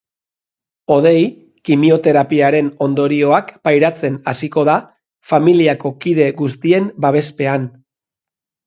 Hodei kimioterapiaren ondorioak pairatzen hasiko da, familiako kide guztien babespean.